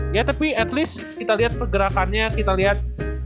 iya tapi at least kita liat pergerakannya kita liat